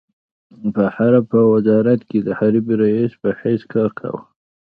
په حرب په وزارت کې د حربي رئيس په حیث کار کاوه.